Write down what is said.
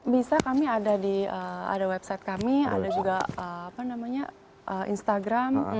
bisa kami ada di website kami ada juga apa namanya instagram